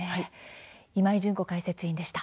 今井純子解説委員でした。